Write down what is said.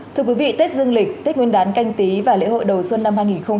thưa quý vị tết dương lịch tết nguyên đán canh tí và lễ hội đầu xuân năm hai nghìn hai mươi